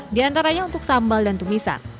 di antaranya untuk sambal dan tumisan